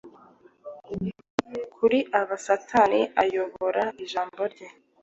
Kuri aba Satani ayobora Ijambo rye,